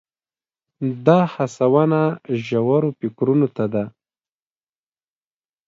دا هڅونه ژورو فکرونو ته ده.